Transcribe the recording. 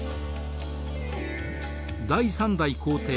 第３代皇帝